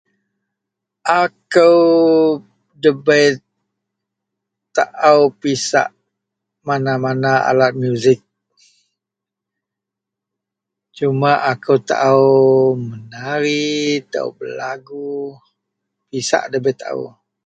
Akou ndabei taou pisak mana-mana alat muzik suma akou taou menari, taou belagu. Pisak ndabei taou.